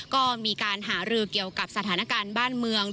ก็มีการหารือเกี่ยวกับสถานการณ์บ้านเมือง